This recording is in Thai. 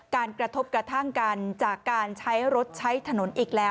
กระทบกระทั่งกันจากการใช้รถใช้ถนนอีกแล้ว